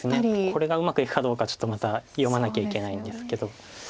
これがうまくいくかどうかはちょっとまた読まなきゃいけないんですけど。